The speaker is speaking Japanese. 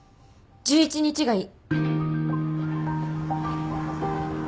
１１日がいい。